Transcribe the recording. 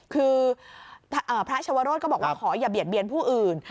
คือพระชวโรธก็บอกว่าขออย่าเบียดเบียนผู้อื่น